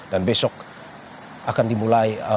dan besok akan dimulai